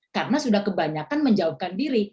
karena sudah kebanyakan menjauhkan diri